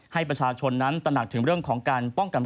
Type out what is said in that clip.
ให้ประชาชนนั้นตระหนักถึงเรื่องของการป้องกัน